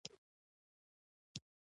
په لومړیو کې یوازې سیاسي اړخ درلود